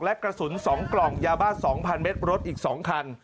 และกระสุน๒กล่องยาบ้า๒๐๐เมตรรถอีก๒คัน